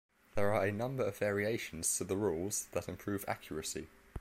There are a number of variations to the rules that improve accuracy.